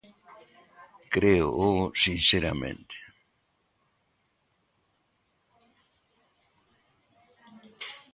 Créoo sinceramente.